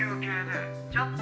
「ちょっと！」